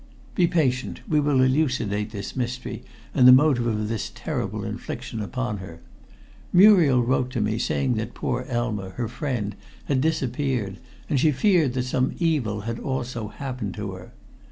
"Be patient; we will elucidate this mystery, and the motive of this terrible infliction upon her. Muriel wrote to me saying that poor Elma, her friend, had disappeared, and she feared that some evil had also happened to her.